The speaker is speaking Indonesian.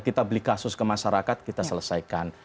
kita beli kasus ke masyarakat kita selesaikan